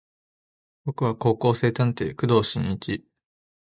俺は高校生探偵工藤新一